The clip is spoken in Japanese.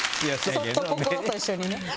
そっと、心と一緒にね。